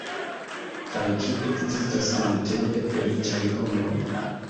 Kaj ĉu ekzistas nuntempe feliĉaj homoj?